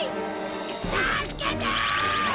助けて！